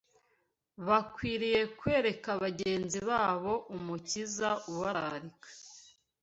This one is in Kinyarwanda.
Bakwiriye kwereka bagenzi babo Umukiza ubararika